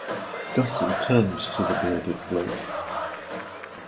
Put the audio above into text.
Gussie turned to the bearded bloke.